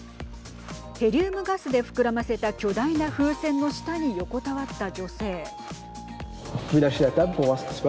ヘリウムガスで膨らませた巨大な風船の下に横たわった女性。